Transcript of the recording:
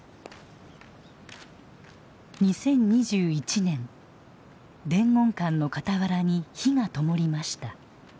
２０２１年伝言館の傍らに火がともりました。